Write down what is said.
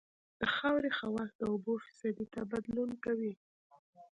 د خاورې خواص د اوبو فیصدي ته بدلون کوي